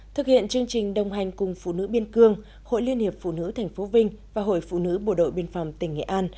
thực hiện chương trình đồng hành cùng phụ nữ biên cương hội liên hiệp phụ nữ tp vinh và hội phụ nữ bộ đội biên phòng tỉnh nghệ an